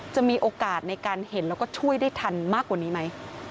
จะมีโอกาสในการเห็นแล้วก็ช่วยได้ทันมากกว่านี้ไหม